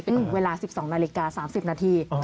ถึงเวลา๑๒นาฬิกา๓๐นาที